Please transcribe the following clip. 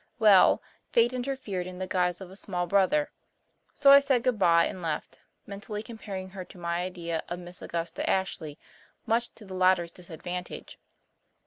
Well, fate interfered in the guise of a small brother, so I said goodbye and left, mentally comparing her to my idea of Miss Augusta Ashley, much to the latter's disadvantage.